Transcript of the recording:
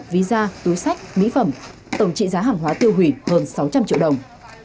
ví da túi sách mỹ phẩm tổng trị giá hàng hóa tiêu hủy hơn sáu trăm linh triệu đồng